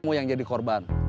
kamu yang jadi korban